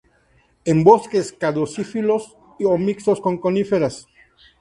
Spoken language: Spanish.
En bosques caducifolios o mixtos con coníferas.